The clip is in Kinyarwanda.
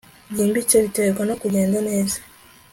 byimbitse biterwa no kugenda neza